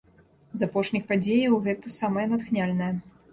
З апошніх падзеяў гэта самая натхняльная.